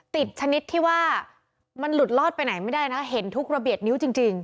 ชนิดที่ว่ามันหลุดลอดไปไหนไม่ได้นะเห็นทุกระเบียบนิ้วจริง